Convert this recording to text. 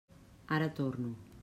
Ara torno.